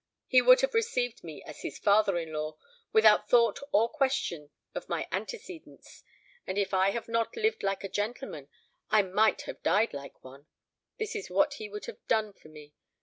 He would have received me as his father in law, without thought or question of my antecedents; and if I have not lived like a gentleman, I might have died like one. This is what he would have done for me.